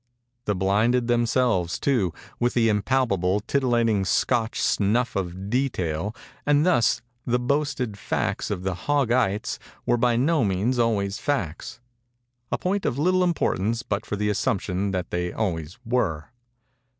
They blinded themselves, too, with the impalpable, titillating Scotch snuff of detail; and thus the boasted facts of the Hog ites were by no means always facts—a point of little importance but for the assumption that they always were.